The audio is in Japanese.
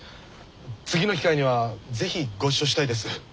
次の機会には是非ご一緒したいです。